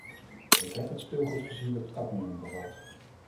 Ik heb speelgoed gezien dat cadmium bevat.